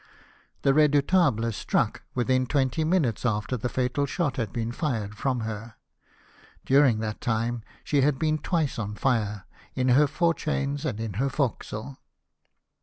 The Redoubtable struck within twenty minutes after the fatal shot had been fired from her. During that time she had been twice on fire — in her fore chains and in her forecastle.